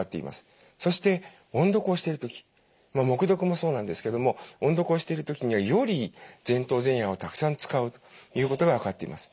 そして音読をしている時黙読もそうなんですけども音読をしている時にはより前頭前野をたくさん使うということが分かっています。